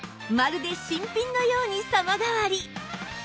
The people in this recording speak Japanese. まるで新品のように様変わり